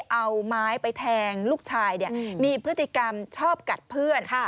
เอาไม้ไปแทงลูกชายมีพฤติกรรมชอบกัดเพื่อน